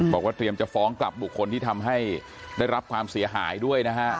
บอกว่าเตรียมจะฟ้องกลับบุคคลที่ทำให้ได้รับความเสียหายด้วยนะฮะ